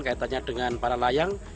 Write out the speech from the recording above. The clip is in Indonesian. kaitannya dengan para layang